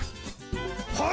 はい！